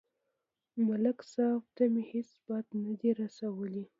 ملک صاحب ته مې هېڅ بد نه دي رسولي